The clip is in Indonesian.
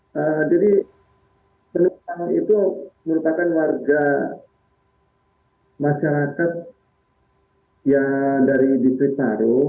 jadi penumpang itu merupakan warga masyarakat yang dari distrik parung